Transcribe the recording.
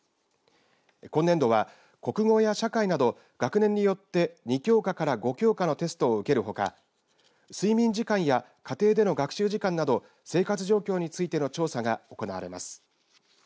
今年度は、国語や社会など学年によって２教科から５教科のテストを受けるほか睡眠時間や家庭での学習時間など生活状況についての調査が行われます。